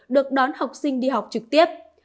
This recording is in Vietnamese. được đón học sinh đi học trực tiếp